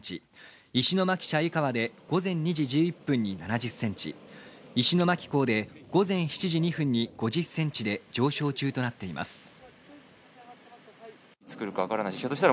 石巻市鮎川で午前２時１１分に７０ｃｍ、石巻港で午前７時２分で５０ｃｍで上昇中となっています。